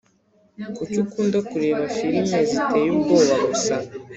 Kuki ukunda kureba firime ziteye ubwoba gusa